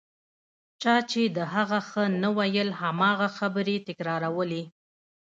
چا چې د هغه ښه نه ویل هماغه خبرې تکرارولې.